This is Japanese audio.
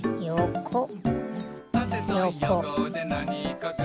「たてとよこでなにかく」